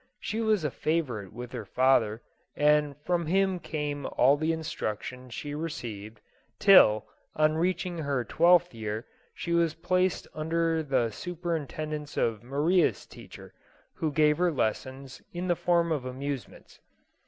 She was a favorite with her father, and from him came all the instruction she re ceived, till, on reaching her twelfth year, she was placed under the superintendence of Maria's teacher, who gave her lessons in the form of amusements.